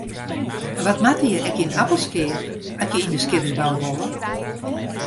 Wat moatte je ek yn Appelskea at je yn de skipsbou wolle?